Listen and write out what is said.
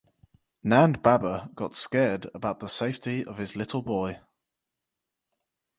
Nand baba got scared about the safety of his little boy.